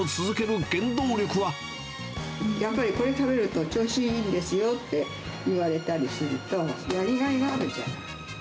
やっぱり、これ食べると調子いいんですよって言われたりすると、やりがいがあるじゃん。